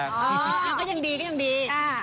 ก็ยังดีก็ยังดีนะอืมครับ